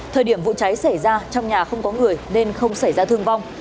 thời điểm vụ cháy xảy ra trong nhà không có người nên không xảy ra thương vong